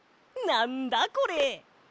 なんだこれ？